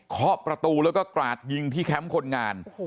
ขอประตูแล้วก็กราดยิงที่แคมป์คนงาน